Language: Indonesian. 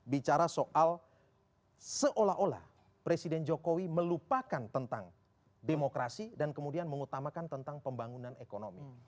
bicara soal seolah olah presiden jokowi melupakan tentang demokrasi dan kemudian mengutamakan tentang pembangunan ekonomi